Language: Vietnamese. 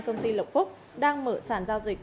công ty lộc phúc đang mở sản giao dịch